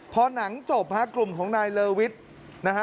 พอหนังจบฮะกลุ่มของนายเลอวิทย์นะฮะ